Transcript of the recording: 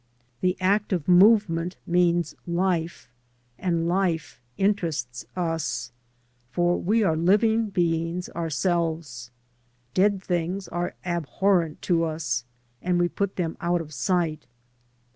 The act of movement means life, and life interests us, for we are living beings ourselves. Dead things are abhorrent to us, and we put them out of sight.